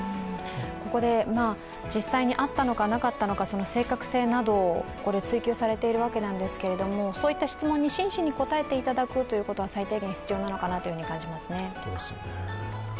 ここで実際にあったのかなかったのか、その正確性など追及されているわけなんですけど、そういった質問に真摯に答えていただくということは最低限必要なのかなと感じますよね。